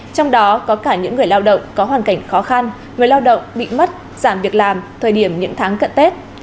trong đó có cả những người lao động có hoàn cảnh khó khăn người lao động bị mất giảm việc làm thời điểm những tháng cận tết